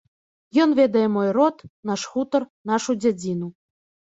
Ён ведае мой род, наш хутар, нашу дзядзіну.